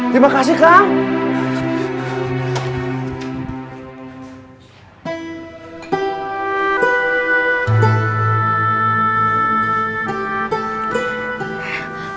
terima kasih kang